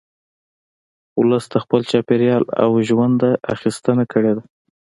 ولس د خپل چاپېریال او ژونده اخیستنه کړې ده